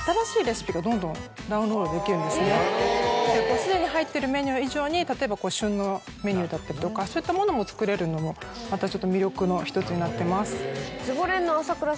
すでに入ってるメニュー以上に例えば旬のメニューだったりとかそういったものも作れるのもまたちょっと魅力の１つになってます。